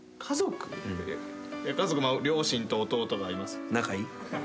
家族両親と弟がいます。